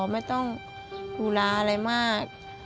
ไม่ต้องดูแลอะไรมาก